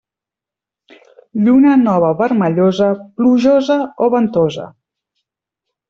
Lluna nova vermellosa, plujosa o ventosa.